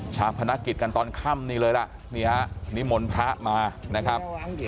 พนักกิจกันตอนค่ำนี่เลยล่ะนี่ฮะนิมนต์พระมานะครับ